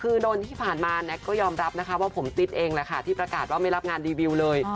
คือโดนที่ผ่านมาแน็กก็ยอมรับนะคะว่าผมติดเองแหละค่ะที่ประกาศว่าไม่รับงานรีวิวเลย